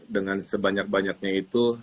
dengan sebanyak banyaknya itu